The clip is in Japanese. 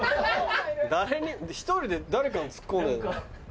１人で誰かにツッコんでる。